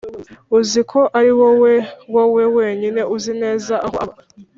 Uziko ariwowe wowe wenyine uzi neza aho aba